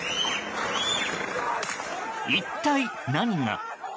一体何が。